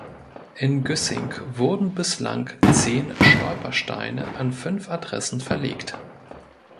In Güssing wurden bislang zehn Stolpersteine an fünf Adressen verlegt.